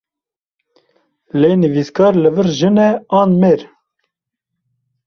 Lê nivîskar li vir jin e, an mêr?